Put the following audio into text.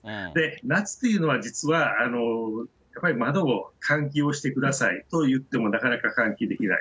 夏というのは、実はやはり窓を換気をしてくださいと言ってもなかなか換気できない。